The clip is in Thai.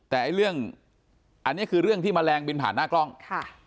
แต่ไอ้เรื่องอันนี้คือเรื่องที่แมลงบินผ่านหน้ากล้องค่ะ